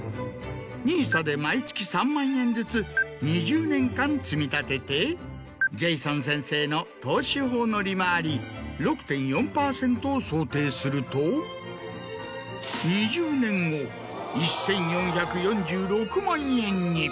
ＮＩＳＡで毎月３万円ずつ２０年間積み立ててジェイソン先生の投資法の利回り６．４％を想定すると２０年後１４４６万円に。